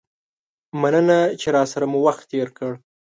مننه چې راسره مو وخت تیر کړ.